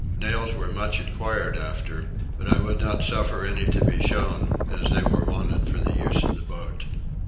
Nails were much enquired after, but I would not suffer any to be shown as they were wanted for the use of the boat.